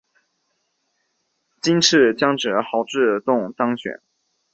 今次江泽濠自动当选。